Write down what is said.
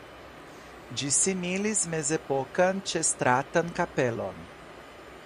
Ĝi similis mezepokan ĉestratan kapelon.